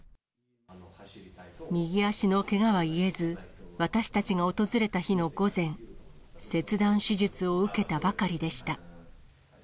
右足のけがは癒えず、私たちが訪れた日の午前、切断手術を受けたばかりでした。